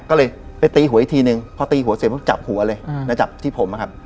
ก็เลยไปตีหัวอีกทีนึงพอตีหัวเสร็จปุ๊บจับหัวเลยแล้วจับที่ผมอะครับ